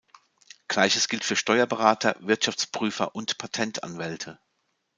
Gleiches gilt für Steuerberater, Wirtschaftsprüfer und Patentanwälte.